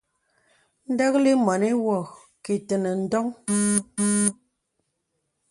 Dəklì mɔnì wɔ kì tənə ǹdɔŋ.